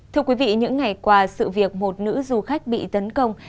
thưa quý vị những ngày qua sự việc một nữ du khách bị tấn công